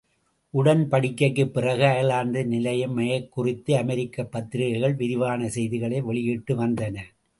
உடன்படிக்கைக்குப் பிறகு அயர்லாந்தின் நிலைமையைக் குறித்து அமெரிக்கப் பத்திரிகைகள் விரிவான செய்திகளை வெளியிட்டு வந்தன.